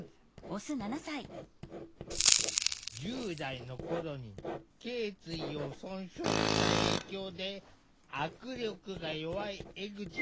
１０代の頃にけい椎を損傷した影響で握力が弱い江口さん。